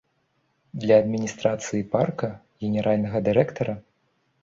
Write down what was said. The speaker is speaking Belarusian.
Для адміністрацыі парка, генеральнага дырэктара?